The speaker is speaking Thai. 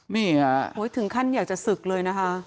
นี่ค่ะถึงขั้นอยากจะศึกเลยนะคะ